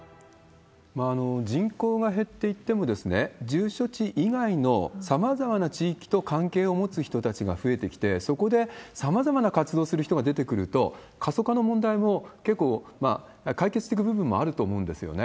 人口が減っていっても、住所地以外のさまざまな地域と関係を持つ人たちが増えてきて、そこでさまざまな活動をする人が出てくると、過疎化の問題も結構、解決してく部分もあると思うんですよね。